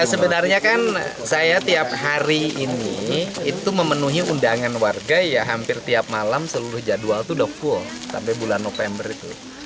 ya sebenarnya kan saya tiap hari ini itu memenuhi undangan warga ya hampir tiap malam seluruh jadwal itu sudah full sampai bulan november itu